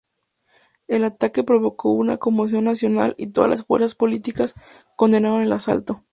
El ataque provocó una conmoción nacional y todas las fuerzas políticas condenaron el asalto.